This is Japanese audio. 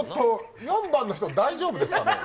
４番の人、大丈夫ですかね。